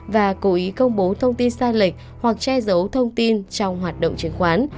và cố ý công bố thông tin sai lệch hoặc che giấu thông tin trong hoạt động chứng khoán